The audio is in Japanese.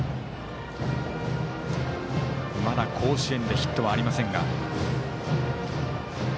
まだ甲子園でヒットはありませんが。